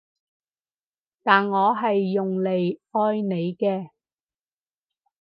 但我係用嚟愛你嘅